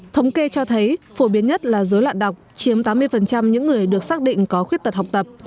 thống kê cho thấy phổ biến nhất là dối loạn đọc chiếm tám mươi những người được xác định có khuyết tật học tập